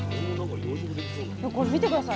これ見て下さい。